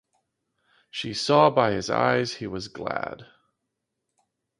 She saw by his eyes he was glad.